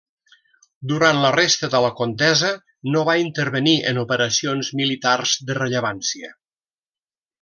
Durant la resta de la contesa no va intervenir en operacions militars de rellevància.